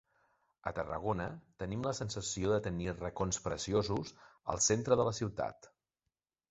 A Tarragona tenim la sensació de tenir racons preciosos al centre de la ciutat.